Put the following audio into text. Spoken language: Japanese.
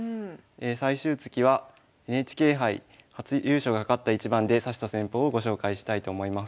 最終月はＮＨＫ杯初優勝がかかった一番で指した戦法をご紹介したいと思います。